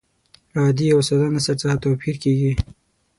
له عادي او ساده نثر څخه توپیر کیږي.